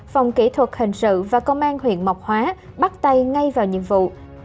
phòng kỹ thuật hình sự và công an huyện mộc hóa bắt tay ngay vào nhiệm vụ